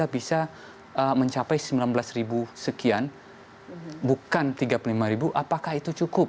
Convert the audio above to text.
bisa mencapai sembilan belas ribu sekian bukan tiga puluh lima apakah itu cukup